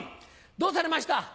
どうされました？